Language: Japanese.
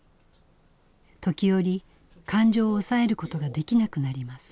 時折感情を抑えることができなくなります。